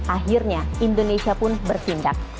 akhirnya indonesia pun bertindak